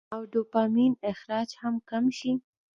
او ډوپامين اخراج هم کم شي -